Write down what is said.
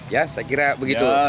ya saya kira begitu